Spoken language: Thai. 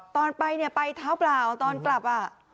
ตอนไปเนี่ยไปเท้าเปล่าตอนกลับ